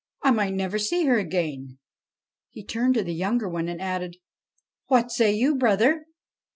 I might never see her again.' He turned to the younger one and added, ' What say you, brother